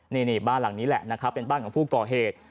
นี่บ้านหลังนี้แหละนะครับเป็นบ้านของผู้ก่อเหตุ